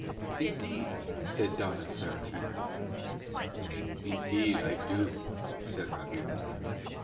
"Indeed?" said Dona Serafina. "Indeed I do," said Rodriguez.